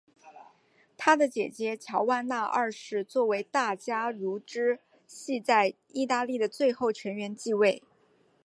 他的姐姐乔万娜二世作为大安茹支系在意大利的最后成员继位。